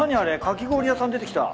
かき氷屋さん出てきた。